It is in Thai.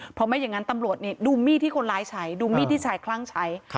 เพราะไม่อย่างนั้นตำรวจนี่ดูมีดที่คนร้ายใช้ดูมีดที่ชายคลั่งใช้